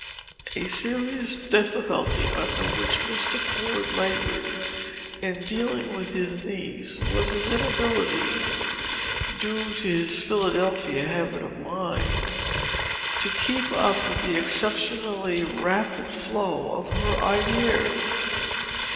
A serious difficulty under which Mr. Port labored in his dealings with his niece was his inability due to his Philadelphia habit of mind to keep up with the exceptionally rapid flow of her ideas.